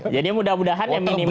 jadi mudah mudahan ya minimal